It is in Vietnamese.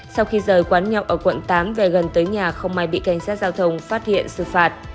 sau khi rời quán nhậu ở quận tám về gần tới nhà không may bị cảnh sát giao thông phát hiện xử phạt